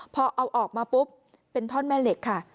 พอเอาออกมาปุ๊บเป็นท่อนแม่เหล็กค่ะ